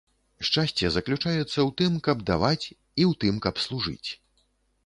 Шчасце заключаецца ў тым, каб даваць, і ў тым, каб служыць.